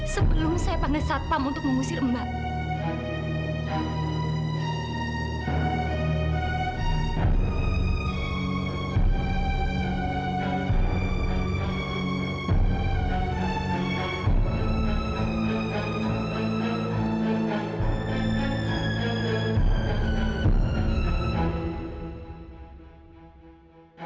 sebelum saya panggil satpam untuk mengusir mbak